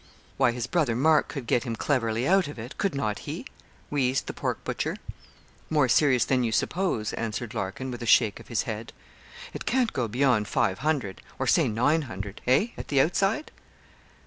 'Why, his Brother Mark could get him cleverly out of it could not he?' wheezed the pork butcher. 'More serious than you suppose,' answered Larkin, with a shake of his head. 'It can't go beyond five hundred, or say nine hundred eh, at the outside?'